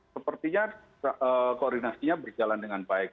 sepertinya koordinasinya berjalan dengan baik